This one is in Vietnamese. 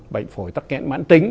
bệnh phổi tắc kẹn mãn tính